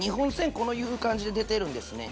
こういう感じで出てるんですね